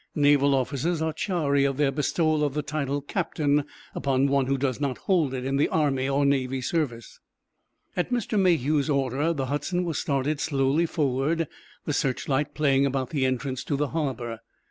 Naval officers are chary of their bestowal of the title "captain" upon one who does not hold it in the Army or Navy service. At Mr. Mayhew's order the "Hudson" was started slowly forward, the searchlight playing about the entrance to the harbor.